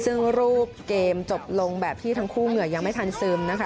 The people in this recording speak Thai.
ซึ่งรูปเกมจบลงแบบที่ทั้งคู่เหงื่อยังไม่ทันซึมนะคะ